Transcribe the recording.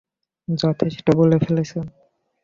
যথেষ্ট বলে ফেলেছেন!